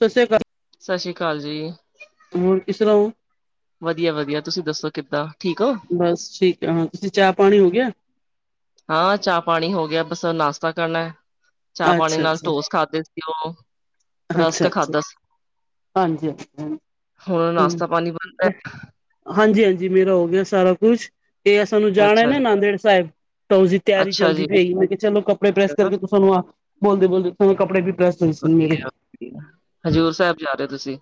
ਸਸੀਆ ਕਾ ਸਸ੍ਰੀ ਕਾਲ ਜੀ। ਹੋਰ, ਕਿਸ ਤਰਾਂ ਓ? ਵਦੀਆ-ਵਦੀਆ, ਤੂਸੀ ਦੱਸੋ ਕਿੱਦਾਂ, ਠੀਕ ਓ? ਬਾੱਸ ਠੀਕ ਰਹਾਂ, ਤੂਸੀ ਚਾਅ ਪਾਣੀ ਹੋ ਗੇਆ? ਹਾਂ ਚਾਅ ਪਾਣੀ ਹੋ ਗੇਆ, ਬਾੱਸ ਨਾਸ਼ਤਾ ਕਰਨੈ, ਚਾਅ ਪਾਣੀ ਅੱਛਾ ਨਾਲ ਅੱਛਾ, ਟੋਸ ਖਾਦੇ ਤੇ ਓ ਰਸਕ ਖਾਦਾ ਸੀ। ਹੁਣ ਹਾਂਜੀ-ਹਾਂਜੀ, ਨਾਸ਼ਤਾ ਪਾਣੀ ਬਣਦਾ [unintelligible] ਹਾਂਜੀ-ਹਾਂਜੀ, ਮੇਰਾ ਹੋ ਗੇਆ ਸਾਰਾ ਕੁੱਛ। ਏ ਅਸਾਂ ਨੂੰ ਹੈ ਜਾਣੈ ਅੱਛਾ ਨਾ, ਜੀ। ਨਾਂਦੇੜ ਸਾਏਬ, ਤਾਂ ਉਸਦੀ ਤੇਆਰੀ ਅੱਛਾ ਚੱਲਦੀ ਜੀ ਪਈ ਏ, ਮੈਂ ਕੇਆ ਚਲੋ ਕੱਪੜੇ ਪ੍ਰੈਸ ਕਰਕੇ ਤੂਸ ਤਾਨੂੰ ਆ ਬੋਲਦੇ-ਬੋਲਦੇ ਪੁ ਕੱਪੜੇ ਵੀ ਪ੍ਰੈਸ ਹੋਏ ਸਨ ਮੇਰੇ, ਵਦੀਆ-ਵਦੀਆ। ਹਜ਼ੂਰ ਸੈਬ ਜਾ ਰਏ ਓ ਤੂਸੀ?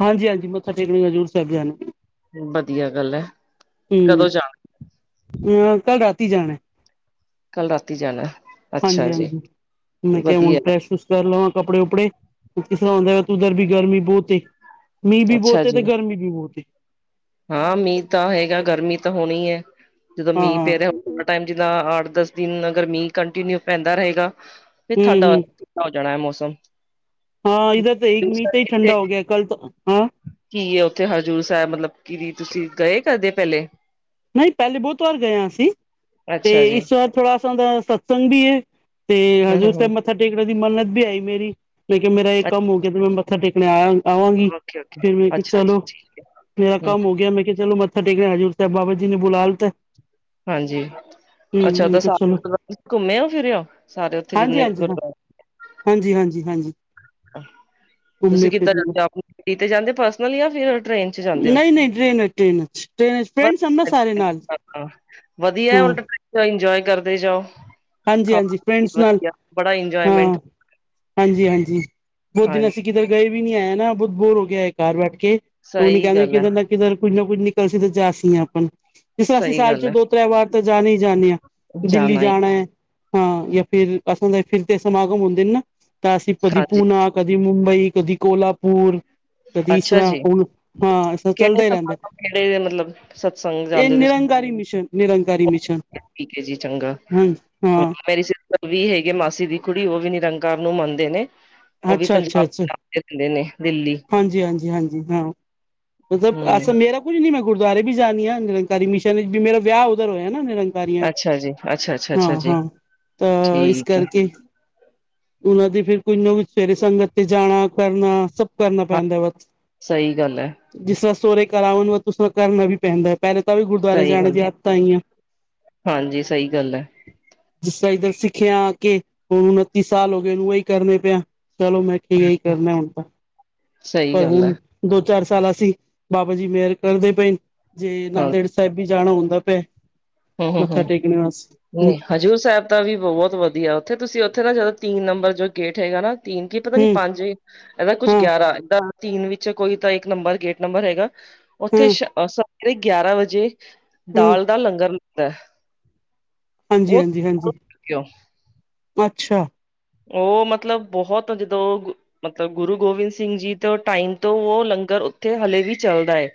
ਹਾਂਜੀ ਹਾਂਜੀ, ਮੱਥਾ ਟੇਕਣ ਹਜ਼ੂਰ ਸਾਹਿਬ ਜਾਣਾ। ਬਦੀਆ ਗੱਲ ਐ, ਕਦੋਂ ਹੂੰ, ਜਾਣੈ? ਅ ਕੱਲ ਰਾਤੀ ਜਾਣੈ। ਕੱਲ ਰਾਤੀ ਜਾਨੈ। ਹਾਂਜੀ-ਹਾਂਜੀ, ਮੈਂ ਕੇਆ ਹੁਨ ਤੇ ਅਸੀਸ [unintelligible] ਗਰਮੀ ਬੋਤ ਏ। ਮੀਂਹ ਵੀ ਅੱਛਾ ਬਹੁਤ ਏ ਜੀ ਤੇ ਗਰਮੀ ਵੀ ਬਹੁਤ ਏ ਹਾਂ ਮੀਂਹ ਤਾਂ ਹੈਗਾ ਗਰਮੀ ਤਾਂ ਹੋਣੀ ਐ, ਜਦੋਂ ਮੀਂਹ ਪੈ ਰਿਹਾ ਥੋੜਾ ਟਾਈਮ ਜਿੱਦਾਂ ਆਠ ਦੱਸ ਦਿਨ ਗਰਮੀ ਕੰਟੀਨਿਊ ਪੈਂਦਾ ਰਹੇਗਾ ਫਿਰ ਠੰਡ ਆ ਹੋ ਜਾਣਾ ਹੈ ਮੌਸਮ। ਹਾਂ ਇਧੱਰ ਤੇ ਇੱਕ ਹਜ਼ੂਰ ਮੀਂਹ ਸਾਹਿਬ ਤੇ ਹੀ ਕਿੱਥੇ ਠੰਡਾ ਹੋ ਗਿਆ ਕੱਲ ਤੋਂ, ਹਾਂ ਕੀ ਐ ਉੱਥੇ ਹਜ਼ੂਰ ਸਾਹਿਬ ਮਤਲਬ ਕਿ ਤੁਸੀਂ ਗਏ ਕਰਦੇ ਪਹਿਲੇ? ਨਹੀਂ ਪਹਿਲੇ ਬਹੁਤ ਵਾਰ ਗਏ ਅਸੀਂ ਤੇ ਅੱਛਾ ਜੀ ਇਸ ਵਾਰ ਥੋੜਾ ਉਥੋਂ ਦਾ ਸਤਸੰਗ ਵੀ ਹੈ। ਤੇ ਹੂੰ ਹੂੰ ਹਜੂਰ ਸਾਹਿਬ ਹੂੰ ਮੱਥਾ ਟੇਕਣ ਦੀ ਮੰਨਤ ਵੀ ਹੈਗੀ ਮੇਰੀ। ਮੈਂ ਕਿਹਾ ਮੇਰਾ ਇਹ ਕੰਮ ਹੋ ਗਿਆ ਤੇ ਮੈਂ ਮੱਥਾ ਟੇਕਣੇ ਆਇਆ ਆਂ ਆਵਾਂਗੀ ਓਕੇ ਓਕੇ ਫੇਰ ਮੈਂ ਅੱਛਾ ਜੀ ਚਲੋ ਜੀ ਮੇਰਾ ਹੂੰ ਕੰਮ ਹੋ ਗਿਆ ਮੈਂ ਕਿਹਾ ਚਲੋ ਮੱਥਾ ਟੇਕਣੇ ਆਂ ਹਾਜੂਰ ਸਾਹਿਬ ਬਾਬਾ ਜੀ ਨੇ ਬੁਲਾ ਲਿੱਤਾ। ਹਾਂਜੀ ਹੂੰ ਅੱਛਾ ਮੈਂ ਤਾਂ ਕਿਹਾ ਚਲੋ ਸਾਰੇ ਘੁੰਮੇ ਹੋ ਫਿਰੇ ਹੋ ਸਾਰੇ ਉੱਥੇ ਹਾਂਜੀ ਜਿੰਨੇ ਹਾਂਜੀ ਹਾਂ ਗੁਰਦੁਵਾਰੇ। ਹਾਂਜੀ ਹਾਂਜੀ ਹਾਂਜੀ। ਘੁੰਮਣੇ ਤੁਸੀਂ ਕਿੱਦਾਂ ਜਾਂਦੇ ਫਿਰਨੇ ਆਪਣੀ ਗੱਡੀ ਜਾਂਦੇ ਪਰਸਨਲ ਜਾਂ ਫਿਰ ਟ੍ਰੇਨ? ਕਿਦੇ ਚ‌ ਜਾਂਦੇ ਨਹੀਂ ਨਹੀਂ ਟ੍ਰੇਨ ਹੈ ਟ੍ਰੇਨ 'ਚ ਟ੍ਰੇਨ 'ਚ ਫਰੈਂਡਸ ਹਨ ਨਾ ਸਾਰੇ ਨਾਲ ਓ ਵਧੀਆ ਉ ਹਾਂ ਇਨਜੋਏ ਕਰਦੇ ਜਾਓ ਹਾਂਜੀ ਹਾਂਜੀ ਖਾਣਾ ਫਰੈਂਡਸ ਨਾਲ ਵਧੀਆ ਬੜਾ ਇੰਜੋਏਮੈਂਟ। ਹਾਂ ਹਾਂਜੀ ਹਾਂਜੀ ਬਹੁਤ ਦਿਨ ਹਾਂਜੀ ਅਸੀਂ ਕਿਧਰ ਗਏ ਵੀ ਨਹੀਂ ਹੈ ਨਾ ਬਹੁਤ ਬੋਰ ਹੋ ਏ ਘਰ ਬੈਠ ਕੇ ਉਹ ਨੀ ਸਹੀ ਕਹਿੰਦੇ ਗੱਲ ਹੈ ਕਿੱਧਰ ਨਾ ਕਿੱਧਰ ਕੁੱਝ ਨਾ ਕੁੱਝ ਨਿਕਲ ਸੀ ਤੇ ਜਾਸੀਆਂ ਆਪਣ। ਜਿਸ ਤਰ੍ਹਾਂ ਅਸੀਂ ਸਹੀ ਸਾਲ ਚ ਗੱਲ ਹੈ ਦੋ ਤ੍ਰੈ ਵਾਰ ਤਾਂ ਜਾਣ ਹੀ ਜਾਂਣੇ ਹਾਂ ਦਿੱਲੀ ਜਾਣਾ ਹੈ ਹਾਂ ਜ ਫੇਰ ਅਸਾਂ ਦਾ ਫਿਰ ਤੇ ਸਮਾਗਮ ਹੁੰਦੇ ਨੇ ਨਾ ਤਾਂ ਅਸੀ ਕਦੀ ਹਾਂਜੀ ਪੂੰਨਾ ਕਦੀ ਮੁੰਬਈ ਕਦੀ ਕੋਲਾਪੁਰ। ਕਦੀ ਇਸ ਅੱਛਾ ਤਰ੍ਹਾਂ ਜੀ ਹੁਣ ਹਾਂ ਇਸ ਤਰ੍ਹਾਂ ਕਿਹੜੇ ਚੱਲਦਾ ਹੀ ਰਹਿੰਦਾ ਸਮਾ ਕਿਹੜੇ ਮਤਲਬ ਸੰਗਤ ਇਹ ਜਾਂਦੇ ਤੁਸ ਨਿਰੰਕਾਰੀ ਮਿਸ਼ਨ ਨਿਰੰਕਾਰੀ ਮਿਸ਼ਨ ਠੀਕ ਹੈ ਜੀ ਚੰਗਾ। ਹਾਂਜੀ ਹਾਂ ਮੇਰੀ ਸਿਸਟਰ ਵੀ ਹੈਗੇ ਮਾਸੀ ਦੀ ਕੁੜੀ ਉਹ ਵੀ ਨਿਰੰਕਾਰ ਨੂੰ ਮੰਨਦੇ ਨੇ। ਉਹ ਵੀ ਅੱਛਾ ਅੱਛਾ ਪੰਜਾਬ ਅੱਛਾ ਪੰਜਾਬ ਦਿੰਦੇ ਨੇ ਦਿੰਦੇ ਨੇ ਵੇਲੀ ਹਾਂਜੀ ਹਾਂਜੀ ਹਾਂਜੀ ਹਾਂ। ਮਤਲਬ ਅਸ ਹੂੰ ਮੇਰਾ ਕੁੱਝ ਨੀ ਮੈਂ ਗੁਰਦੁਆਰੇ ਵੀ ਜਾਣੀ ਹਾਂ ਨਿਰੰਕਾਰੀ ਮਿਸ਼ਨ ਵੀ ਮੇਰਾ ਵਿਆਹ ਉਧਰ ਹੋਇਆ ਨਾ ਨਿਰੰ ਕਾਰੀਆ ਚ ਅੱਛਾ ਜੀ, ਅੱਛਾ-ਅੱਛਾ, ਅੱਛਾ ਅੱਛਾ ਹਾਂ ਜੀ। ਹਾਂ ਤਾਂ ਇਸ ਠੀਕ ਹੈ, ਕਰਕੇ ਉਹਨਾਂ ਦੀ ਫਿਰ ਕੋਈ ਨਿਊਜ਼ ਸਵੇਰੇ ਸੰਗਤ ਤੇ ਜਾਣਾ ਕਰਨਾ ਸਭ ਕਰਨਾ ਹਾਂ ਪੈਂਦਾ ਵਾਂ। ਸਹੀ ਗੱਲ ਹੈ। ਜਿਸ ਤਰ੍ਹਾਂ ਸੋਰੇ ਘਰਾ ਵਾਂਗੂ ਕੁੱਛ ਕਰਨਾ ਵੀ ਪੈਂਦਾ। ਪਹਿਲੇ ਤਾਂ ਵੀ ਗੁਰਦੁਆਰੇ ਸਹੀ ਜਾਣੇ ਗੱਲ ਦੀ ਆਦਤਾਂ ਆਈਆਂ। ਹਾਂਜੀ ਸਹੀ ਗੱਲ ਹੈ। ਜਿਸ ਸ਼ਾਇਦ ਅਸੀਂ ਸਿੱਖਿਆ ਕੇ ਹੁਣ ਉਨੱਤੀ ਸਾਲ ਹੋ ਗਏ ਉਹੀ ਕਰਨੇ ਪੇ ਆ। ਚਲੋ ਮੈਂ ਕੀ ਇਹੀ ਕਰਨੇ ਆ ਹੁਣ ਤਾਂ ਸਹੀ ਪਰ ਗੱਲ ਹੈ, ਹੁਣ। ਦੋ ਚਾਰ ਸਾਲ ਅਸੀਂ ਬਾਬਾ ਜੀ ਮਿਹਰ ਕਰਦੇ ਪਏ ਜੇ ਹਾਂ ਆਨੰਦਗੜ ਸਾਹਿਬ ਵੀ ਜਾਣਾ ਹੁੰਦਾ ਪੇਆ ਹੂੰ ਹੂੰ ਹੂੰ ਹੂੰ ਨਹੀਂ ਹਜ਼ੂਰ ਸਾਹਿਬ ਕੀਤਾ ਵੀ ਬਹੁਤ ਵਧੀਆ ਉੱਥੇ ਤੁਸੀਂ ਉੱਥੇ ਨਾ ਜਦੋਂ ਤਿੰਨ ਨੰਬਰ ਜੋ ਗੇਟ ਹੈਗਾ ਨਾ ਤੀਨ ਕੀ ਪਤਾ ਨੀ ਹੂੰ ਪੰਜ ਇਹਦਾ ਕੁੱਛ ਹਾਂ, ਗਿਆਰਾਂ ਇਦਾ ਤਿੰਨ ਵਿੱਚ ਕੋਈ ਤਾਂ ਇੱਕ ਨੰਬਰ ਗੇਟ ਨੰਬਰ ਹੈਗਾ ਉੱਥੇ ਹਾਂ, ਸ ਸ- ਪੂੜੇ ਗਿਆਰਾਂ ਵਜੇ ਹਾਂ, ਦਾਲ ਦਾ ਲੰਗਰ ਲੱਗਦਾ। ਹਾਂਜੀ ਉਹ ਹਾਂਜੀ ਹਾਂਜੀ ਕਿਉਂ ਅੱਛਾ। ਉਹ ਮਤਲਬ ਬਹੁਤ ਜਦੋਂ ਉਹ ਮਤਲਬ ਗੁਰੂ ਗੋਬਿੰਦ ਸਿੰਘ ਜੀ ਤੋਂ ਟਾਈਮ ਤੋਂ ਉਹ ਲੰਗਰ ਉੱਥੇ ਹਲੇ ਵੀ ਚੱਲਦਾ ਐ।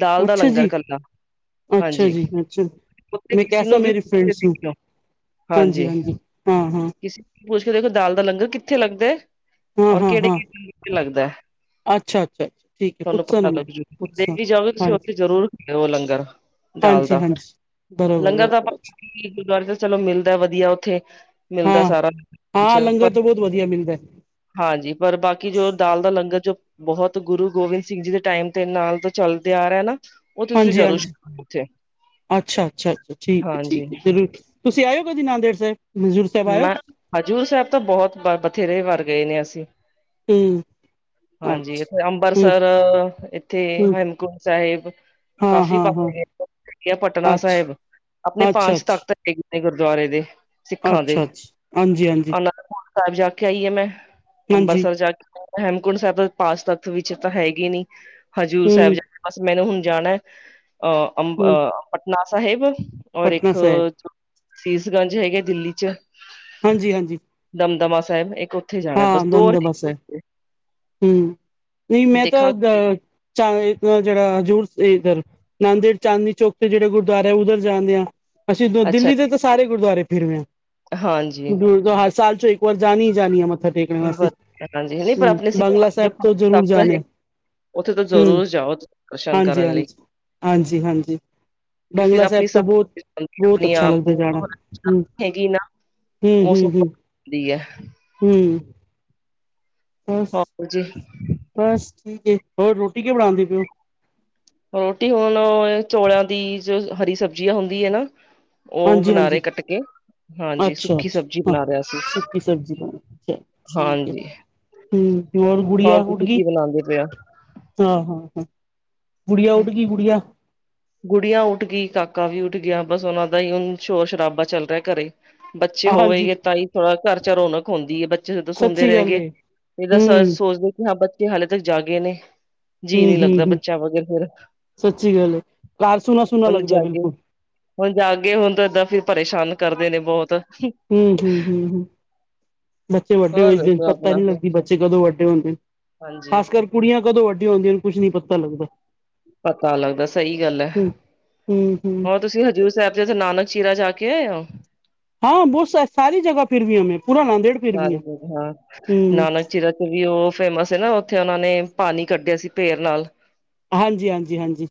ਦਾਲ ਦਾ ਅੱਛਾ ਲੰਗਰ ਜੀ, ਕਰਨਾ। ਅੱਛਾ ਜੀ ਅੱਛਾ। ਉੱਥੇ ਮੈਂ ਕਹਿ ਕਿਸੇ ਨੂੰ ਸਾਂ ਵੀ ਮੇਰੀ ਪੁੱਛ ਕੇ ਫਰੈਂਡਸ ਨੂੰ, ਦੇਖਿਓ ਹਾਂਜੀ ਹਾਂਜੀ। ਹਾਂ ਹਾਂ। ਕਿਸੇ ਪੁੱਛ ਕੇ ਦੇਖੋ, ਦਾਲ ਦਾ ਲੰਗਰ ਕਿੱਥੇ ਲੱਗਦਾ ਹੈ। ਹਾਂ, ਔਰ ਹਾਂ, ਕਿਹੜੇ ਹਾਂ ਕਿਹੜੇ ਵੀਕ ਚ ਲੱਗਦਾ। ਅੱਛਾ, ਅੱਛਾ, ਅੱਛਾ ਠੀਕ ਹੈ ਤੁਹਾਨੂੰ ਪੁੱਛਸਾਂ ਪਤਾ ਨਾ ਮੈਂ ਲੱਗ ਜੂ ਦੇ ਪੁੱਛਸਾਂ ਵੀ ਜਾਓਗੇ ਤੁਸੀਂ ਹਾਂਜੀ, ਉੱਥੇ ਜਰੂਰ ਦੇਹੋ ਲੰਗਰ। ਦਾਲ ਹਾਂਜੀ, ਦਾ, ਹਾਂਜੀ ਬਰੋਬਰ, ਲੰਗਰ ਦਾ ਆਪਾਂ ਬਰੋਬਰ ਗੁਰਦੁਆਰੇ ਤੇ ਚਲੋ ਮਿਲਦਾ ਵਧੀਆ ਉੱਥੇ। ਮਿਲਦਾ ਹਾਂ, ਸਾਰਾ ਕੁਛ ਹਾਂ ਪਰ ਲੰਗਰ ਤਾਂ ਬਹੁਤ ਵਧੀਆ ਮਿਲਦਾ ਹੈ। ਹਾਂਜੀ, ਪਰ ਬਾਕੀ ਜੋ ਦਾਲ ਦਾ ਲੰਗਰ ਜੋ‍ ਬਹੁਤ ਗੁਰੂ ਗੋਬਿੰਦ ਸਿੰਘ ਜੀ ਦੇ ਟਾਈਮ ਤੇ ਨਾਲ ਤੋਂ ਚੱਲਦੇ ਆ ਰਿਹਾ ਨਾ ਉਹ ਤੁਸੀਂ ਹਾਂਜੀ, ਜ਼ਰੂਰ ਹਾਂਜੀ ਛਕੋ ਉੱਥੇ ਅੱਛਾ, ਅੱਛਾ, ਠੀਕ ਹੈ, ਹਾਂਜੀ ਠੀਕ ਹੈ ਜ਼ਰੂਰ। ਤੁਸੀਂ ਆਇਓ ਕਦੀ ਨਾਂਦੇੜ ਸਾਹਿਬ। ਹਜ਼ੂਰ ਸਾਹਿਬ ਆਇਓ ਮੈਂ ਤੁਸੀਂ? ਹਜ਼ੂਰ ਸਾਹਿਬ ਤਾਂ ਬਹੁਤ ਵ ਬਥੇਰੇ ਵਾਰ ਗਏ ਨੇ ਅਸੀਂ। ਹੂੰ। ਹਾਂਜੀ, ਇਥੇ ਅੱਛਾ ਹੂੰ, ਅੰਬਰਸਰ ਇੱਥੇ ਹੂੰ ਹੇਮਕੂਟ ਸਾਹਿਬ ਹਾਂ, ਕਾਫੀ ਹਾਂ, ਹਾਂ ਪਾਸੇ ਆ ਪਟਨਾ ਅੱਛਾ, ਸਾਹਿਬ, ਆਪਣੇ ਅੱਛਾ, ਪੰਜ ਅੱਛਾ ਤਖ਼ਤ ਹੈਗੀ। ਗੁਰਦੁਆਰੇ ਦੇ ਸਿੱਖਾਂ ਦੇ ਅੱਛਾ ਅੱਛਾ ਹਾਂਜੀ ਹਾਂਜੀ ਅਨੰਦਪੁਰ ਸਾਹਿਬ ਜਾ ਕੇ ਆਈ ਆ, ਮੈਂ ਹਾਂਜੀ ਅੰਬਰਸਰ ਜਾ ਕੇ। ਹੇਮਕੁੰਡ ਸਾਹਿਬ ਪਾਚਂ ਤਖਤ ਵਿੱਚ ਤਾਂ ਹੈਗੇ ਨੀ, ਹਜ਼ੂਰ ਸਾਹਿਬ। ਹਮ ਬੱਸ, ਮੈਨੂੰ ਹੁਣ ਜਾਣਾ ਅਹ ਹਮ ਅੰਬਹ ਪਟਨਾ ਸਾਹਿਬ। ਔਰ ਪਟਨਾ ਇੱਕ ਸਾਹਿਬ ਸੀਸਗੰਜ ਹੈਗੇ, ਦਿੱਲੀ ਚ। ਹਾਂਜੀ, ਹਾਂਜੀ। ਦਮਦਮਾ ਸਾਹਿਬ ਇੱਕ ਉੱਥੇ ਜਾਣਾ ਹਾਂ ਬਸ ਦੋ ਦਮਦਮਾ ਸਾਹਿਬ, ਹੈਗੇ ਨਹੀਂ ਮੈਂ ਤਾਂ ਦੇਖਾਂਗੇ ਅ ਚ ਜਿਹੜਾ ਜ਼ਰੂਰ, ਇਧਰ ਨਾਂਦੇੜ, ਚਾਂਦਨੀ ਚੌਕ ਤੇ ਜਿਹੜੇ ਗੁਰਦੁਆਰੇ ਉੱਧਰ ਜਾਂਦੇ ਆ। ਅਸੀਂ ਅੱਛਾ ਦਿੱਲੀ ਦੇ ਤਾਂ ਸਾਰੇ ਗੁਰਦੁਆਰੇ ਫਿਰ‌ ਰਹੇ ਹਾਂ। ਹਾਂਜੀ ਗੁਰੂ ਜਹਾਜ ਸਾਲ ਚੋਂ ਇੱਕ ਵਾਰ ਜਾਣੀ ਹੀ ਜਾਣੀ ਮੱਥਾ ਟੇਕ। ਟੇਕਨ‌ ਵਾਸਤੇ, ਹਾਂਜੀ ਨਹੀਂ ਪਰ ਆਪਣੇ ਸਿੱਖ ਬੰਗਲਾ ਜੋ ਸਾਹਿਬ ਤੋਂ ਜ਼ਰੂਰ ਤਖ਼ਤ ਹੈ ਜਾਣਿਆ। ਉੱਥੇ ਤਾਂ ਹੂੰ। ਜ਼ਰੂਰ ਜਾਓ ਦਰਸ਼ਨ ਹਾਂਜੀ, ਕਰਨ ਲਈ ਹਾਂਜੀ, ਹਾਂਜੀ, ਹਾਂਜੀ। ਕਿਉਂਕਿ ਫਿਰ ਬੰਗਲਾ ਸਾਹਿਬ ਆਪਣੀ ਤੋਂ ਬਹੁਤ, ਸਫ਼ਾਈ ਬਹੁਤ ਆਪਣੀ ਅੱਛਾ ਆਪ ਨੀ ਲੱਗਦਾ ਜਾਣਾ ਹੂੰ। ਹੂੰ, ਹੂੰ, ਹੂੰ। ਦੀ ਹੈ। ਹੂੰ। ਬੱਸ ਹੋਰ ਜੀ ਬੱਸ ਠੀਕ ਹੈ, ਹੋਰ ਰੋਟੀ ਕਿ ਬਣਾਉਂਦੇ ਪਇਓ। ਰੋਟੀ ਹੁਣ ਚੋਲਾਂ ਦੀ, ਜੋ ਹਰੀ ਸਬਜ਼ੀ ਹੁੰਦੀ ਹੈਨਾ। ਉਹ ਹਾਂਜੀ ਬਣਾ ਹਾਂਜੀ ਰਹੇ ਕੱਟ ਕੇ। ਹਾਂਜੀ ਅੱਛਾ, ਸੁੱਕੀ ਸਬਜ਼ੀ ਅੱਛਾ ਹਾਂ ਬਣਾ ਰਿਹਾ ਸੀ ਸੁੱਕੀ ਸਬਜ਼ੀ ਬਣ ਰਹੀ ਠੀਕ ਹੈ। ਹਾਂਜੀ ਹੂੰ ਹੋਰ ਗੁੜੀਆ ਤੁਸੀਂ ਉਠਗੀ ਕੀ ਬਣਾਉਂਦੇ ਪਏ ਆਹ! ਹੋ ਗੁੜੀਆ, ਹੋ ਊਠਗੀ ਗੁੜੀਆ। ਗੁੜੀਆਂ ਉੱਠ ਗਈ, ਕਾਕਾ ਵੀ ਉੱਠ ਗਿਆ, ਬੱਸ ਉਹਨਾਂ ਦਾ ਹੀ ਹੁਣ, ਸ਼ੋਰ ਸ਼ਰਾਬਾ ਚੱਲ ਰਿਹਾ ਘਰੇ। ਬੱਚੇ ਹੋਵੇ ਹਾਂਜੀ ਗ ਤਾਂ ਹੀ ਥੋੜਾ ਘਰ ਚ ਰੌਣਕ ਹੁੰਦੀ ਹੈ, ਬੱਚੇ ਜਦੋਂ ਸੋਂਦੇ ਸੱਚੀ ਗੱਲ ਰਹਿਣਗੇ। ਏ ਇਹਦਾ ਹਮ ਸੋਚਦੇ ਕਿ ਹਾਂ ਬੱਚੇ ਹਾਲੇ ਤੱਕ ਜਾ ਗਏ ਨੇ, ਜੀਅ ਹਮ ਨਹੀਂ ਲੱਗਦਾ ਹਮ ਹਮ ਬੱਚਿਆਂ ਵਾਂਗਨ ਫਿਰ। ਸੱਚੀ ਗੱਲ ਏ। ਕਾਰ ਸੁੂਨ [unintelligible] ਹੁਣ ਜਾਗੇ, ਹੁਣ ਜਾਗੇ ਉਦਾ ਏਦਾਂ ਫੇਰ ਪਰੇਸ਼ਾਨ ਕਰਦੇ ਨੇ ਬਹੁਤ। ਹਮ ਹਮ ਹਮ ਹਮ। [inaudible] ਬੱਚੇ ਵੱਡੇ ਹੋ ਹੋਰ ਦਈ, ਦੱਸੋ ਪਤਾ ਆਪਣਾ ਨੀ ਲੱਗਦੀ ਬੱਚੇ ਕਦੋਂ ਵੱਡੇ ਹੁੰਦੇ। ਹਾਂਜੀ ਖਾਸ ਕਰ ਕੁੜੀਆਂ ਕਦੋਂ ਵੱਡੀਆਂ ਹੁੰਦੀਆਂ, ਕੁਝ ਨੀ ਪਤਾ ਲੱਗਦਾ। ਪਤਾ ਲੱਗਦਾ, ਸਹੀ ਗੱਲ ਹੈ। ਹਮ ਹਮ ਹਮ। ਹੋਰ ਤੁਸੀਂ ਹਜ਼ੂਰ ਸਾਹਿਬ ਜ ਉਥੇ ਨਾਨਕ ਝੀਰਾ ਜਾ ਕੇ ਆਏ ਹੋ? ਹਾਂ ਬਹੁਤ ਸਾਰੀ ਜ੍ਹਾ ਫਿਰ ਵੀ ਹਮੇ ਪੂਰਾ ਨਾਦੇੜ। ਸਾਰੇ ਬ ਹਾਂ ਨਾਨਕ ਚੀਰਾ। ਵੀ ਉਹ ਫੇਮਸ ਸੀ ਨਾ ਉੱਥੇ ਉਹਨਾਂ ਨੇ ਪਾਣੀ ਕੱਢਿਆ ਸੀ ਪੇਰ ਨਾਲ। ਹਾਂਜੀ -ਹਾਂਜੀ -ਹਾਂਜੀ।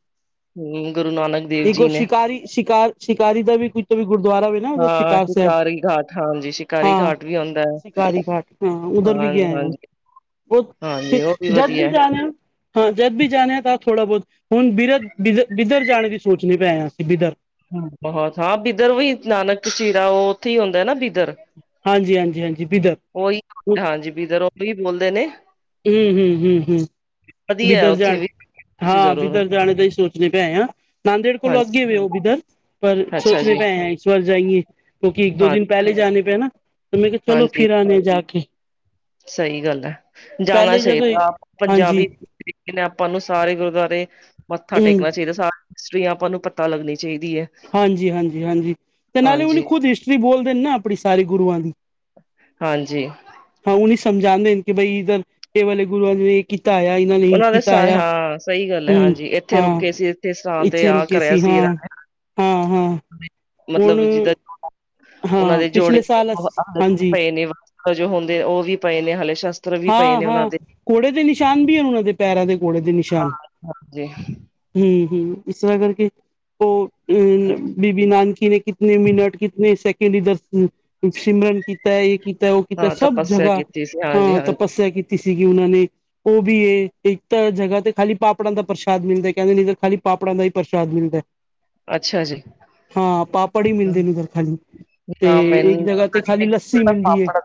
ਹਮ ਗੁਰੂ ਨਾਨਕ ਦੇਵ ਠੀਕ ਜੀ ਉਹ ਨੇ ਸ਼ਿਕਾਰੀ- ਸ਼ਿਕਾਰ- ਸ਼ਿਕਾਰ ਦਾ ਵੀ ਕੁਝ ਵੀ ਗੁਰਦੁਆਰਾ ਵੀ ਨਾ ਹਾਂ ਸ਼ਿਕਾਰ ਸਾਹਿਬ ਸ਼ਿਕਾਰੀ ਘਾਟ ਹਾਂਜੀ ਸ਼ਿਕਾਰੀ ਹਾਂ ਘਾਟ ਵੀ ਆਉਂਦਾ ਹੈ ਸ਼ਿਕਾਰੀ ਘਾਟ। ਹਾਂ ਉਧਰ ਵੀ ਗਿਆ ਹਾਂ,। ਫ ਹਾਂਜੀ ਉਹ ਜਦ ਵੀ ਵਧੀਆ ਜਾਣੇ ਆ। ਹਾਂ ਜਦ ਵੀ ਜਾਣੇ ਹਾਂ ਤਾਂ ਥੋੜ੍ਹਾ ਬਹੁਤ ਹੁਣ ਬਿਰ ਬ ਬਿੱਧਰ ਜਾਣੇ ਦੀ ਸੋਚ ਦੇ ਪੈਏ ਹਾਂ ਅਸੀਂ ਬਿੱਧਰ। ਬਹੁਤ ਹਾਂ ਬਿਦਰ ਵੀ ਨਾਨਕ ਚੀਰਾ ਉਹ ਉੱਥੇ ਹੀ ਹਉਂਦਾ ਹੈ ਨਾ ਬਿਦਰ। ਹਾਂਜੀ -ਹਾਂਜੀ -ਹਾਂਜੀ ਬਿਦਰ। ਉਓਹੀ ਹਾਂਜੀ ਬੀਦਰ ਉਹੀ ਬੋਲਦੇ ਨੇ। ਹੂੰ- ਹੂੰ- ਹੂੰ-ਹੂੰ। ਵਧੀਆ ਉੱਥੇ ਵੀ। ਤੁਸੀਂ ਹਾਂ ਜ਼ਰੂਰ ਬਿੱਧਰ ਜਾਣੇ ਤ ਹੀ ਸੋਚਣੇ ਪਏ ਹਾਂ, ਨਾਦੇੜ ਕੋਲ਼ੋਂ ਹਾਂਜੀ ਅੱਗੇ ਵੀ ਹੈ ਬਿੱਧਰ। ਪਰ ਅੱਛਾ ਸੋਚਣੇ ਜੀ ਪੇ ਆਏ ਹੈ ਇਸ ਵਾਰ ਜਾਈਏ ਕਿਉਂਕਿ ਇੱਕ ਦੋ ਹਾਂ ਦਿਨ ਪਹਿਲੇ ਜਾਣੇ ਪੇ ਨਾ। ਤੇ ਮੈਂ ਕਿਹਾ ਚਲੋ ਹਾਂਜੀ ਫਿਰ ਆਣੇ ਜਾ ਕੇ। ਸਹੀ ਗੱਲ ਹੈ, ਜਾਣਾ ਪਹਿਲੇ ਜਦੋਂ ਚਾਹੀਦਾ ਹਾਂਜੀ ਪੰਜਾਬੀ। ਆਪਾਂ ਨੂੰ ਸਾਰੇ ਗੁਰਦੁਆਰੇ ਮੱਥਾ ਹੂੰ ਟੇਕਣਾ ਚਾਹੀਦਾ, ਸ ਹਿਸਟਰੀਆਂ ਆਪਾਂ ਨੂੰ ਪਤਾ ਲੱਗਣੀ ਚਾਹੀਦੀ ਏ। ਹਾਂਜੀ- ਹਾਂਜੀ-ਹਾਂਜੀ ਤੇ ਨਾਲੇ ਉਹਲੀ ਖੁਦ ਹਿਸਟਰੀ ਬੋਲਦੇ ਨੇ ਨਾ ਆਪਣੀ ਸਾਰੇ ਗੁਰੂਆਂ ਦੀ। ਹਾਂਜੀ। ਹਾਂ ਉਹਨੂੰ ਸਮਝਾਉਦੇ ਨੇ ਕਿ ਬਈ ਇੱਧਰ, ਇਹ ਵਾਲੇ ਗੁਰੂਆਂ ਨੇ ਇਹ ਕੀਤਾ ਹੋਇਆ ਈ। ਨੇ ਉਹਨਾਂ ਦੇ ਸ ਕੀਤਾਇਆ ਹਾਂ ਸਹੀ ਗੱਲ ਹੈ ਹੂੰ ਹਾਂਜੀ ਇੱਥੇ ਹਾਂ, ਰੁਕੇ ਸੀ ਇੱਥੇ ਸਥਾਨ ਤੇ ਇੱਥੇ ਆ ਰੁਕੇ ਕਰਿਆ ਸੀ ਹਾਂ। ਹਾਂ -ਹਾਂ। ਹੁਣ ਮਤਲਬ ਜਿਦਾਂ ਉਹਨਾਂ ਹਾਂ ਦੇ ਜੋੜੇ ਪਿਛਲੇ ਸਾਲ ਹਾਂਜੀ ਪਏ ਨੇ। ਜੋ ਹੁੰਦੇ ਨੇ ਉਹ ਵੀ ਪਏ ਨੇ ਹਾਲੇ ਸ਼ਸਤਰ। ਵੀ ਪਏ ਨੇ ਉਹਨਾਂ ਹਾਂ-ਹਾਂ ਦੇ ਘੋੜੇ ਦੇ ਨਿਸ਼ਾਨ ਵੀ ਹਨ, ਉਹਨਾਂ ਦੇ ਪੈਰਾਂ ਦੇ ਘੋੜੇ ਦੇ ਨਿਸ਼ਾਨ। ਹਾਂਜੀ ਹੂੰ-ਹੂੰ ਇਸ ਤਰ੍ਹਾਂ ਕਰਕੇ ਉਹ। ਅ ਹਾਂਜੀ, ਬੀਬੀ ਨਾਨਕੀ ਨੇ ਕਿਤਨੇ ਮਿੰਟ ਕਿਤਨੇ ਸੈਕਿੰਡ ਇਧਰ ਸਿਮਰਨ ਕੀਤਾ, ਇਹ ਕੀਤਾ, ਉਹ ਕੀਤਾ, ਹਾਂ ਸਭ ਤਪੱਸਿਆ ਜਗ੍ਹਾ। ਕੀਤੀ ਸੀ ਹਾਂਜੀ ਹਾਂ ਹਾਂਜੀ ਤਪੱਸਿਆ ਕੀਤੀ ਸੀਗੀ ਉਹਨਾਂ ਨੇ। ਉਹ ਵੀ ਏ ਇੱਕ ਤਾਂ ਜਗ੍ਹਾ ਤੇ ਖਾਲੀ ਪਾਪੜਾਂ ਦਾ ਪ੍ਰਸ਼ਾਦ ਮਿਲਦਾ, ਕਹਿੰਦੇ ਨੀ ਖਾਲੀ ਪਾਪੜਾਂ ਦਾ ਹੀ ਪ੍ਰਸ਼ਾਦ ਮਿਲਦਾ। ਅੱਛਾ ਜੀ ਹਾਂ ਪਾਪੜ ਹੀ ਮਿਲਦੇ ਨੇ ਉਧਰ ਖਾਲੀ। ਤੇ ਨਾ ਇੱਕ ਮੈਨੂੰ ਜਗ੍ਹਾ ਤੇ ਖਾਲੀ ਲੱਸੀ ਮਿਲਦੀ ਏ, ਪਾਪੜ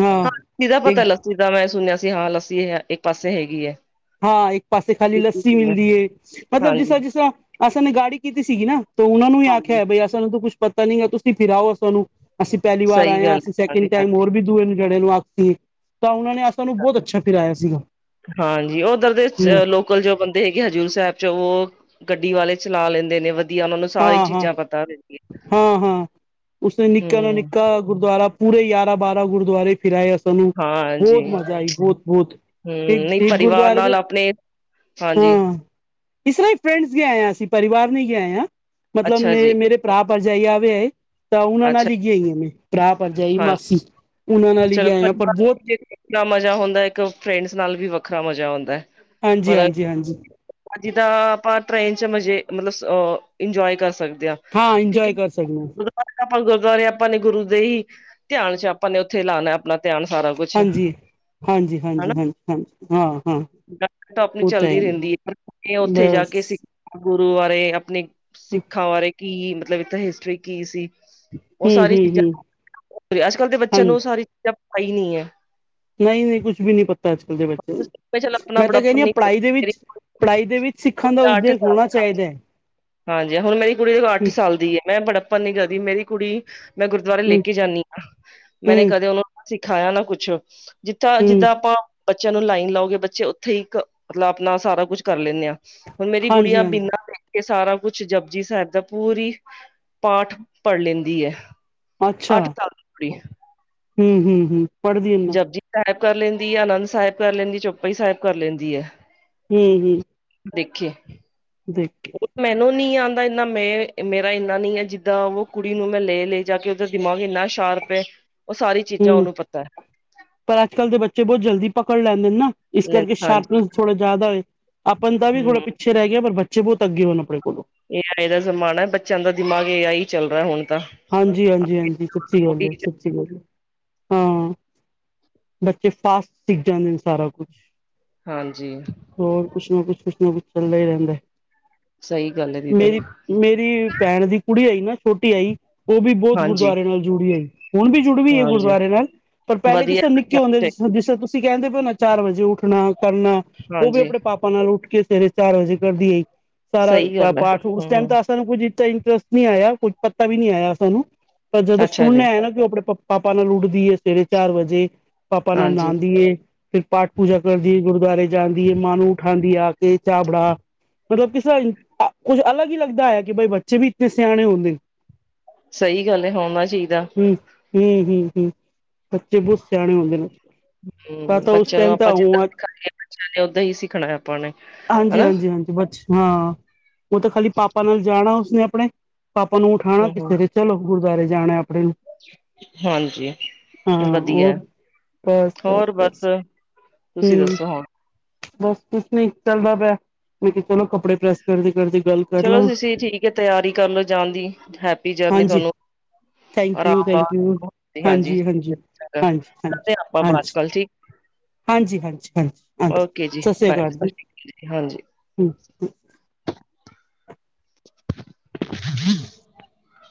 ਹਾਂ। ਸੀ ਦਾ ਇੱਕ ਪਤਾ ਲੱਸੀ ਦਾ ਮੈਂ ਸੁਣਿਆ ਸੀ ਹਾਂ ਲੱਸੀ ਇੱਕ ਪਾਸੇ ਹੈਗੀ ਹੈ। ਹਾਂ ਇੱਕ ਪਾਸੇ ਖਾਲੀ ਪੀਤੀ ਲੱਸੀ ਸੀ ਮੈਂ ਮਿਲਦੀ ਏ, ਮਤਲਬ ਜਿਸ ਹਾਂਜੀ, ਤਰ੍ਹਾਂ ਜਿਸ ਤਰ੍ਹਾਂ ਅਸਾਂ ਨੇ ਗਾੜੀ ਕੀਤੀ ਸੀਗੀ ਨਾ ਤਾਂ ਉਹਨਾਂ ਨੂੰ ਹੀ ਆਖਿਆ ਹਾਂਜੀ ਹੈ, ਬਈ ਅਸਾਂ ਨੂੰ ਤਾਂ ਕੁਛ ਪਤਾ ਨੀ ਹੈ, ਤੁਸੀਂ ਫਿਰਾਓ ਸਾਨੂੰ। ਅਸੀਂ ਪਹਿਲੀ ਵਾਰ ਸਹੀ ਆਏ ਹਾਂ, ਗੱਲ ਅਸੀਂ ਹਾਂਜੀ, ਸੈਕਿੰਡ ਟਾਈਮ ਹਾਂਜੀ। ਹੋਰ ਵੀ ਦੂਏ ਜੜੇ ਨੂੰ ਆਖਤੀ। ਤਾਂ ਉਹਨਾਂ ਨੇ ਅਸਾ ਨੂੰ ਬਹੁਤ ਅੱਛਾ ਫਿਰਾਇਆ ਸੀਗਾ। ਹਾਂਜੀ, ਉਧਰ ਦੇ ਚ ਹਮ ਲੋਕ ਲ ਜੋ ਬੰਦੇ ਹੈਗੇ ਹਜ਼ੂਰ ਸਾਹਿਬ ਚ, ਉਹ ਗੱਡੀ ਵਾਲੇ ਚਲਾ ਲੈਂਦੇ ਨੇ। ਵਧੀਆ ਉਹਨਾਂ ਨੂੰ ਸਾਰੀ ਹਾਂ- ਹਾਂ- ਚੀਜ਼ਾਂ ਪਤਾ ਰਹਿੰਦੀਆਂ ਹਾਂ-ਹਾਂ ਉਸਨੇ ਨਿੱਕਾ ਨਾ ਹੂੰ। ਨਿੱਕਾ ਗੁਰਦੁਆਰਾ ਪੂਰੇ ਯਾਰਾਂ ਬਾਰਾਂ ਗੁਰਦੁਆਰੇ ਫਿਰਾਏ। ਤੋਨੂੰ ਹਾਂਜੀ ਬੋਤ ਮਜ਼ਾ ਆਇਆ ਬੋਤ-ਬੋਤ ਹੂੰ ਈਕ ਨਹੀਂ ਇਕ ਪਰਿਵਾਰ ਗੁਰਦੁਵਾਰੇ ਦੇ ਨਾਲ ਆਪਣੇ ਹਾਂਜੀ। ਹਾਂ ਇਸ ਤਰਾਂ ਈ ਫਰੈਂਡਸ ਗੇ ਆਏ ਆ ਅਸੀਂ, ਪਰਿਵਾਰ ਨੀ ਗੇ ਆਏ ਆ। ਮਤਲਬ ਅੱਛਾ ਮੇ ਜੀ ਮੇਰੇ ਭਰਾ-ਭਰਜਾਈ ਆ ਵੀ ਆਏ ਤਾਂ ਉਨਾਂ ਅੱਛਾ ਨਾਲ ਈ ਗੀ ਆਈਆ ਮੈਂ ਭਰਾ, ਭਰਜਾਈ, ਹਾਂ ਮਾਸੀ ਉਨਾਂ ਨਾਲ ਈ ਗੇ ਆਏ ਆ ਪਰ ਬੋਤ ਆਪਣਾ ਮਜ਼ਾ ਹੁੰਦਾ ਇੱਕ ਫਰੈਂਡਸ ਨਾਲ ਵੀ ਵੱਖਰਾ ਮਜ਼ਾ ਹੁੰਦੈ। ਹਾਂਜੀ-ਹਾਂਜੀ-ਹਾਂਜੀ। ਜਿਦਾਂ ਆਪਾਂ ਟ੍ਰੇਨ 'ਚ ਮਜ਼ੇ ਮਤਲਬ ਅ ਇੰਜੋਏ ਕਰ ਸਕਦੇ ਆ। ਹਾਂ ਠੀਕ ਇੰਜੋਏ ਏ। ਕਰ ਸਕਦੇ ਹਾਂ ਪਰ ਆਪਾਂ ਗੁਰਦੁਵਾਰੇ ਆਪਾਂ ਨੇ ਗੁਰੂ ਦੇ ਹੀ ਧਿਆਨ 'ਚ ਆਪਾਂ ਨੇ ਉੱਥੇ ਲਾਣਾ ਆਪਣਾ ਧਿਆਨ ਸਾਰਾ। ਕੁਛ ਹਾਂਜੀ, ਹਾਂਜੀ-ਹਾਂਜੀ-ਹਾਂਜੀ-ਹਾਂਜੀ ਹਾਂ-ਹਾਂ। ਗੱਲ ਤਾਂ ਆਪਣੀ ਚੱਲਦੀ ਰੈਂਦੀ ਏ ਕੀ ਆ ਉੱਥੇ ਜਾ ਕੇ ਬਸ ਸਿ ਗੁਰੂ ਬਾਰੇ, ਆਪਣੇ ਹਮ ਸਿੱਖਾਂ ਬਾਰੇ ਕੀ ਮਤਲਬ ਇੱਥੇ ਹਿਸਟਰੀ ਕੀ ਸੀ। ਓ ਹਮ ਸਾਰੀ ਚੀਜ਼ਾਂ ਹਮ ਅੱਜ-ਕਲ ਦੇ ਬੱਚਿਆਂ ਨੂੰ ਓ ਹਾਂਜੀ ਸਾਰੀ ਚੀਜ਼ਾਂ ਪਾਈ ਨੀ ਐ। ਨਈ-ਨਈ ਕੁਛ ਵੀ ਨੀ ਪਤਾ ਅੱਜ-ਕੱਲ ਦੇ ਬੱਚਿਆਂ ਨੂੰ ਚਲ ਆਪਣਾ ਮੈਂ ਤਾਂ ਕੈਂਨੀ ਬੜਾਪਨ ਆ ਪੜਾਈ ਦੇ ਨਹੀਂ ਵਿੱਚ ਪੜਾਈ ਦੇ ਵਿੱਚ ਸਿੱਖਾਂ ਦਾ ਅੱਠ ਉਦੇਅ ਹੋਣਾ ਸਾਲ ਚਾਈਦੈ। ਹਾਂਜੀ ਹੁਣ ਮੇਰੀ ਕੁੜੀ ਦੇਖੋ ਅੱਠ ਸਾਲ ਦੀ ਐ ਮੈਂ ਬੜੱਪਣ ਨੀ ਕਦੀ ਮੇਰੀ ਕੁੜੀ, ਮੈਂ ਗੁਰਦੁਆਰੇ ਲੈ ਹਮ ਕੇ ਜਾਂਨੀ ਮੈਂਨੇ ਹਮ ਕਦੇ ਉਨੂੰ ਸਿਖਾਇਆ ਨਾ ਕੁਛ ਜਿੱਥਾਂ ਹਮ ਜਿੱਦਾਂ ਆਪਾਂ ਬੱਚਿਆਂ ਨੂੰ ਲਾਈਨ ਲਾਓਗੇ ਬੱਚੇ ਉੱਥੇ ਹੀ ਇੱਕ ਮਤਲਾ ਆਪਣਾ ਸਾਰਾ ਕੁੱਝ ਕਰ ਲੈਂਨੇ ਆ। ਹੁਣ ਮੇਰੀ ਹਾਂਜੀ ਗੁੜੀਆਂ ਹਾਂਜੀ ਬਿਨਾ ਏ ਸਾਰਾ ਕੁਛ ਜਪਜੀ ਸੇਅਬ ਦਾ ਪੂਰੀ, ਪਾਠ ਪੜ ਲੈਂਦੀ ਐ। ਅੱਛਾ, ਹੂੰ-ਹੂੰ-ਹੂੰ। ਪੜ੍ਹਦੀ ਨਾ ਜਪਜੀ ਸੇਅਬ ਕਰ ਲੈਂਦੀ ਆ, ਆਨੰਦ ਸੇਅਬ ਕਰ ਲੈਂਦੀ, ਚੋਪਈ ਸੇਅਬ ਕਰ ਲੈਂਦੀ ਐ। ਹੂੰ-ਹੂੰ। ਦੇਖ ਐ। ਦੇਖ ਕੇ। ਮੈਨੂੰ ਨੀ ਆਂਦਾ ਇਨਾ ਮੈਂ ਵੇ, ਮੇਰਾ ਇੰਨਾ ਨੀ ਐ ਜਿੱਦਾਂ ਓ ਕੁੜੀ ਨੂੰ ਮੈਂ ਲੈ-ਲੈ ਜਾ ਕੇ ਉਦਾ ਦਿਮਾਗ ਇੰਨਾ ਸ਼ਾਰਪ ਐ, ਓ ਸਾਰੀ ਚੀਜ਼ਾਂ ਹੂੰ ਉਨੂੰ ਪਤੈ। ਪਰ ਅੱਜ-ਕੱਲ ਦੇ ਬੱਚੇ ਬੋ ਜਲਦੀ ਪਕੜ ਲੈਂਦੇ ਨੇ ਨਾ ਇਸ ਲੈ ਕਰਕੇ ਹਾਂਜੀ ਸ਼ਾਰਪਨੈਸ ਥੋੜਾ ਜਿਆਦਾ ਏ। ਆਪਨ ਦਾ ਵੀ ਥੋੜਾ ਹੂੰ ਪਿੱਛੇ ਰੈ ਗਿਆ ਪਰ ਬੱਚੇ ਬੋਤ ਅੱਗੇ ਹੋਏ ਆਪਣੇ ਕੋਲੋਂ। ਏ ਆਈ ਦਾ ਜ਼ਮਾਨਾ ਬੱਚਿਆਂ ਦਾ ਦਿਮਾਗ ਏ ਆਈ ਈ ਚੱਲ ਰੈ ਹੁਣ ਤਾਂ। ਹਾਂਜੀ-ਹਾਂਜੀ-ਹਾਂਜੀ ਸੱਚੀ ਗੱਲ ਏ, ਸੱਚੀ ਗੱਲ, ਹਾਂ। ਬੱਚੇ ਫਾਸਟ ਸਿੱਖ ਜਾਂਦੇ ਨੇ ਸਾਰਾ ਕੁਛ। ਹਾਂਜੀ। ਹੋਰ ਕੁਛ ਨਾ ਕੁਛ, ਕੁਛ ਨਾ ਕੁਛ ਚੱਲਦਾ ਈ ਰੈਂਦੈ। ਸਹੀ ਗੱਲ ਹੈ ਦੀਦੀ ਮੇਰੀ, ਮੇਰੀ ਭੈਣ ਦੀ ਕੁੜੀ ਆਈ ਨਾ ਉਟੀ ਆਈ ਓ ਬੀ ਬੋਤ ਹਾਂਜੀ ਗੁਰਦੁਵਾਰੇ ਨਾਲ ਜੁੜੀ ਉਈ ਹੁਣ ਬੀ ਜੁੜ ਵੀ ਏ ਹਾਂਜੀ ਗੁਰਦੁਵਾਰੇ ਨਾਲ ਪਰ ਪਹਿਲੇ ਕਿਸੇ ਵਧੀਆ ਫੇਰ ਨਿੱਕੇ ਹੁੰਦੇ ਜਿਸ, ਜਿਸ ਤਰਾਂ ਤੁਸੀਂ ਕਹਿੰਦੇ ਪੇ ਓ ਨਾ ਚਾਰ ਵਜੇ ਉੱਠਣਾ, ਕਰਨਾ ਓ ਵੀ ਹਾਂਜੀ ਆਪਣੇ ਪਾ ਪਾ ਨਾਲ ਉੱਠ ਕੇ ਸਵੇਰੇ ਚਾਰ ਵਜੇ ਕਰਦੀ ਉਈ, ਸਹੀ ਸਾਰਾ-ਸਾਰਾ ਗੱਲ ਹੈ ਪਾਠ ਉਸ ਟਾਈਮ ਹੂੰ ਤਾਂ ਸਾਨੂੰ ਕੁਝ ਇਟਾ ਇੰਨਟਰਸਟ ਨੀ ਆਇਆ ਕੁਝ ਪੱਤਾ ਵੀ ਨੀ ਆਇਆ ਸਾਨੂੰ, ਪਰ ਜਦੋਂ ਅੱਛਾ ਜੀ ਸੁਨੇ ਆਇਆ ਨਾ ਕਿ ਆਪਣੇ ਪਾ ਪਾਪਾ ਨਾਲ ਉੱਡਦੀ ਏ ਸਵੇਰੇ ਚਾਰ ਵਜੇ, ਪਾਪਾ ਨਾਲ ਹਾਂਜੀ ਨਾਂਦੀ ਏ ਫਿਰ ਪਾਠ, ਪੂਜਾ ਕਰਦੀ ਏ, ਗੁਰਦੁਆਰੇ ਜਾਂਦੀ ਏ, ਮਾਂ ਨੂੰ ਉਠਾਂਦੀ ਆ ਕੇ ਚਾ ਬੜਾ ਮਤਲ ਕਿਸੇ ਅ ਕੁੱਝ ਅਲੱਗ ਈ ਲੱਗਦਾ ਐ ਕਿ ਬਈ ਬੱਚੇ ਵੀ ਇਤਨੇ ਸਿਆਣੇ ਹੁੰਨੇ। ਸਈ ਗੱਲ ਏ ਹੋਣਾ ਚੀਦਾ। ਹੂੰ, ਹੂੰ-ਹੂੰ-ਹੂੰ, ਬੱਚੇ ਬੋਤ ਸਿਆਣੇ ਹੁੰਦੇ ਨੇ। ਤਾਂ ਹੂੰ ਤਾਂ ਉਸ ਬੱਚੇਆਂ ਨੂੰ ਟਾਈਮ ਤਾਂ ਆਪਾਂ ਜਿੱਦਾਂ ਉਹ ਸਿਖਾਈਏ, ਬੱਚੇਆਂ ਨੇ ਓਦਾਂ ਹੀ ਸਿਖਣਾ ਆਪਾਂ ਨੇ ਹੈਨਾ। ਅੱਛਾ, ਉਹ ਤਾਂ ਖਾਲੀ ਪਾਪਾ ਨਾਲ ਜਾਨਾ ਉਸਨੇ ਅਪਨੇ ਪਾਪਾ ਨੂੰ ਉਠਾਨਾ ਹੂੰ ਹੂੰ ਕਿਸੇ ਦੇ ਚਲੋ ਗੁਰਦੁਆਰੇ ਜਾਨਾ ਅਪਨੇ ਨੂੰ। ਹਾਂਜੀ ਹਾਂ ਵਧੀਆ ਹੋਰ, ਬਸ, ਬਸ, ਬਸ। ਤੁਸੀਂ ਹੂੰ ਦੱਸੋ ਹੁਣ ਬਸ ਕੁਛ ਨੀ ਚੱਲਦਾ ਪੈਆ, ਮੈਂ ਕੇਆ ਚਲੋ ਕੱਪੜੇ ਪ੍ਰੈਸ ਕਰਦੀ-ਕਰਦੀ ਗੱਲ ਕਰ ਚਲੋ ਲਵਾਂ ਤੁਸੀ ਠੀਕ ਏ, ਤਿਆਰੀ ਕਰਲੋ ਜਾਨ ਦੀ। ਹੈਪੀ ਜਰਨੀ ਹਾਂਜੀ ਤਾਨੂੰ। [unintelligible] ਥੈਂਕ ਯੂ ਥੈਂਕ ਯੂ ਹਾਂਜੀ ਹਾਂਜੀ ਹਾਂਜੀ ਹਾਂਜੀ ਕਰਦੇ ਆਪਾਂ ਬਾਦ ਚ ਹਾਂਜੀ ਗਲ ਠੀਕ ਹਾਂਜੀ, ਹਾਂਜੀ, ਹਾਂਜੀ, ਹਾਂਜੀ ਓਕੇ ਜੀ ਸਤਿ ਸ੍ਰੀ ਬਾਏ ਅਕਾਲ ਸਤਿ ਜੀ। ਸ਼੍ਰੀ ਹਾਂਜੀ। ਹੂੰ [inaudible]